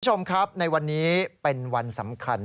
คุณผู้ชมครับในวันนี้เป็นวันสำคัญ